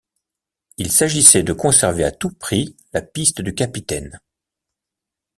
Il s’agissait de conserver à tout prix la piste du capitaine.